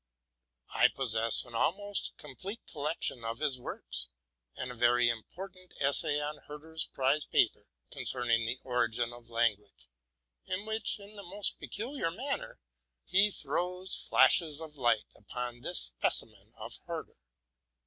I possess an almost com plete collection of his works, and a very important essay on Herder's prize paper concerning the origin of language, in which, in the most peculiar manner, he throws flashes of light upon this specimen of Herder.